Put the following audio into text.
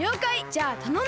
じゃあたのんだ！